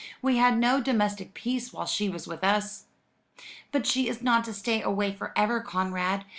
We had no domestic peace while she was with us." "But she is not to stay away for ever, Conrad.